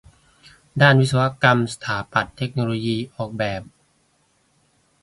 ด้านวิศวกรรม สถาปัตย์ เทคโนโลยี ออกแบบ